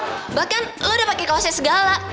cheers tiger kan bahkan lo udah pake kaosnya segala